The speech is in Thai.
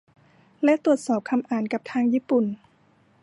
และตรวจสอบคำอ่านกับทางญี่ปุ่น